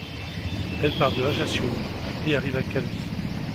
Elle part de Ajaccio et arrive à Calvi.